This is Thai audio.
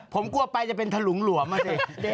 ผมกลัวไปจะเป็นถลุงหลวมอ่ะสิ